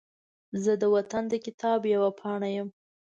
زه د وطن د کتاب یوه پاڼه یم